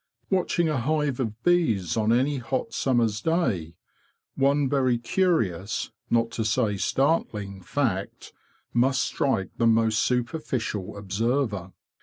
Watching a hive of bees on any hot summer's day, one very curious, not to say startling, fact must strike the most superficial observer.